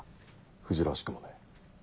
藤らしくもねえ。